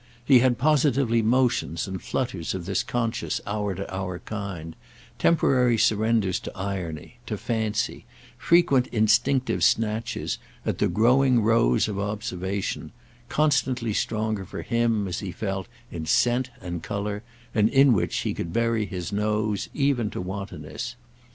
He had positively motions and flutters of this conscious hour to hour kind, temporary surrenders to irony, to fancy, frequent instinctive snatches at the growing rose of observation, constantly stronger for him, as he felt, in scent and colour, and in which he could bury his nose even to wantonness.